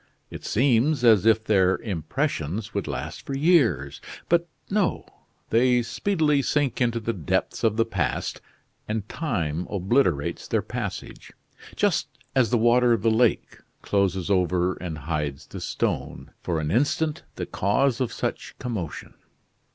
It seems as if their impressions would last for years; but no, they speedily sink into the depths of the past, and time obliterates their passage just as the water of the lake closes over and hides the stone, for an instant the cause of such commotion.